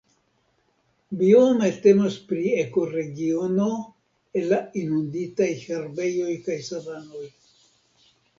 Biome temas pri ekoregiono el la inunditaj herbejoj kaj savanoj.